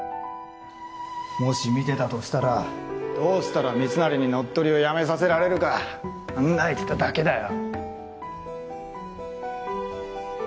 もし見てたとしたらどうしたら密成に乗っ取りをやめさせられるか考えてただけだよ。